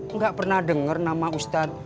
enggak pernah denger nama ustaz